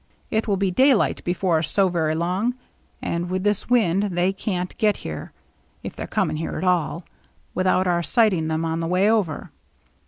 It will be daylight before so very long, and with this wind they can't get here, if they're coming here at all, without our sighting them on the way over.